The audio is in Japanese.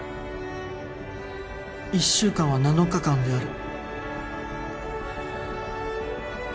一週間は７日間である。